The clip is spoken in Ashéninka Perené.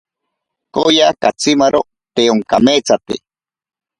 Kooya katsimaro te onkameetsate.